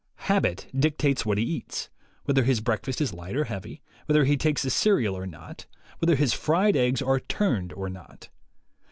Habit dictates what he eats, whether his breakfast is light or heavy, whether he takes a cereal or not, whether his fried egg$ are turned or not.